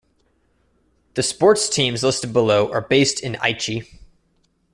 The sports teams listed below are based in Aichi.